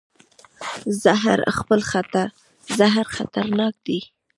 زهر خطرناک دی.